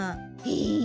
へえ。